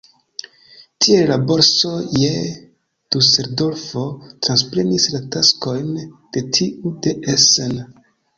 Tiel la borso je Duseldorfo transprenis la taskojn de tiu de Essen.